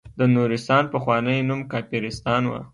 د نورستان پخوانی نوم کافرستان وه.